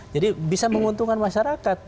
jadi bisa menguntungkan masyarakat